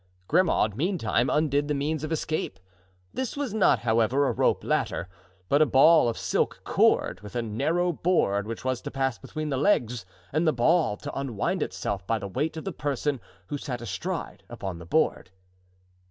Grimaud, meantime, undid the means of escape. This was not, however, a rope ladder, but a ball of silk cord, with a narrow board which was to pass between the legs, the ball to unwind itself by the weight of the person who sat astride upon the board.